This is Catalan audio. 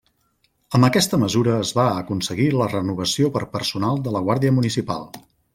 Amb aquesta mesura es va aconseguir la renovació per personal de la guàrdia municipal.